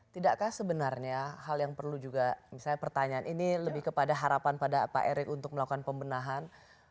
tidakkah sebenarnya hal yang perlu juga misalnya pertanyaan ini lebih kepada harapan pada pak erick untuk melakukan pembenahan